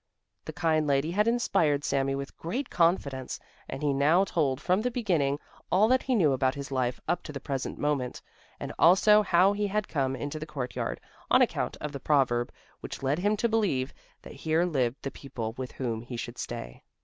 The kind lady had inspired Sami with great confidence and he now told from the beginning all that he knew about his life up to the present moment, and also how he had come into the courtyard, on account of the proverb, which led him to believe that here lived the people with whom he should stay.